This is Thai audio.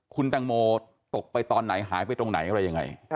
คุณตังโมตกไปตอนไหนหายไปตรงไหนอะไรยังไง